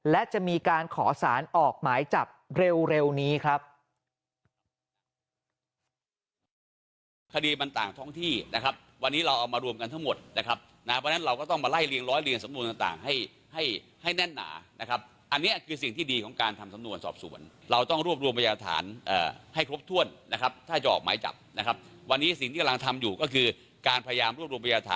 และจะมีการขอสารออกหมายจับเร็วนี้ครับ